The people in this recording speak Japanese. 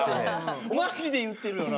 マジで言ってるよな。